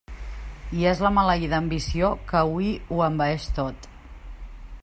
I és la maleïda ambició que hui ho envaeix tot.